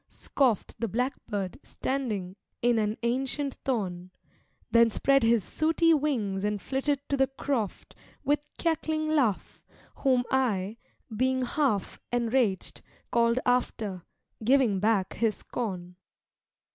scoff'd The Blackbird, standing, in an ancient thorn, Then spread his sooty wings and flitted to the croft With cackling laugh; Whom I, being half Enraged, called after, giving back his scorn.